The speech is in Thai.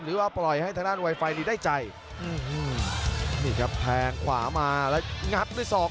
หรือว่าปล่อยให้ทางด้านไวไฟนี้ได้ใจอืมนี่ครับแทงขวามาแล้วงัดด้วยศอก